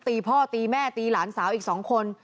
ตีพ่อตีแม่ตีหลานสาวอีก๒คน